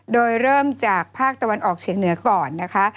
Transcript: โดยเริ่มจากภาคตะวันออกเฉียงเหนือก่อนนะคะ